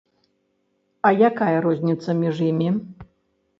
А якая розніца між імі?